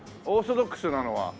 オーソドックスなのは。